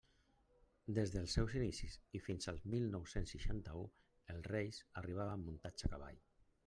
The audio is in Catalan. Des dels seus inicis i fins al mil nou-cents seixanta-u, els Reis arribaven muntats a cavall.